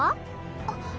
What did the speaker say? あっ。